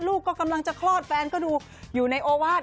ลูกก็กำลังจะคลอดแฟนก็ดูอยู่ในโอวาส